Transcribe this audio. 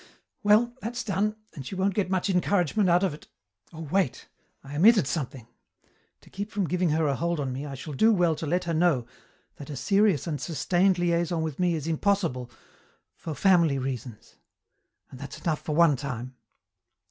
"Well, that's done, and she won't get much encouragement out of it. Oh, wait. I omitted something. To keep from giving her a hold on me I shall do well to let her know that a serious and sustained liaison with me is impossible 'for family reasons.' And that's enough for one time."